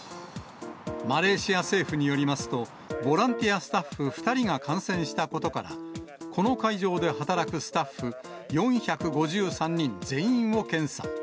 マレーシア政府によりますと、ボランティアスタッフ２人が感染したことから、この会場で働くスタッフ４５３人全員を検査。